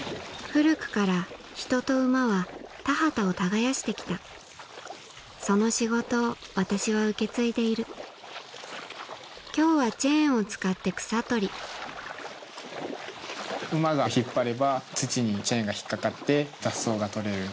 古くから人と馬は田畑を耕して来たその仕事を私は受け継いでいる今日はチェーンを使って草取り馬が引っ張れば土にチェーンが引っ掛かって雑草が取れる。